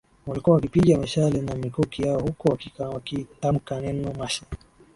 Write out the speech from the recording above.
walikuwa wakipiga mishale na mikuki yao huku wakitamka neno mashe